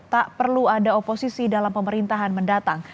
tak perlu ada oposisi dalam pemerintahan mendatang